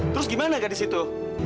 terus gimana gadis itu